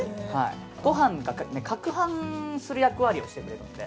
ご飯がかくはんする役割をしてくれるので。